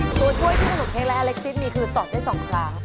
ตัวช่วยทั้งหมดเพลงและอเล็กซิสมีคือตอบได้๒ครั้ง